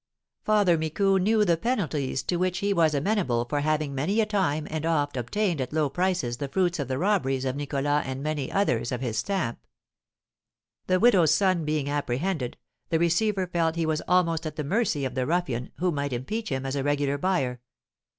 Father Micou knew the penalties to which he was amenable for having many a time and oft obtained at low prices the fruits of the robberies of Nicholas and many others of his stamp. The widow's son being apprehended, the receiver felt he was almost at the mercy of the ruffian, who might impeach him as a regular buyer.